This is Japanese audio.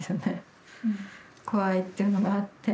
怖いっていうのもあって。